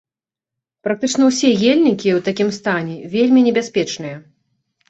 Практычна ўсе ельнікі ў такім стане вельмі небяспечныя.